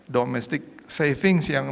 domestic savings yang